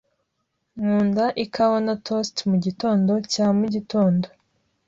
Nkunda ikawa na toast mugitondo cya mugitondo.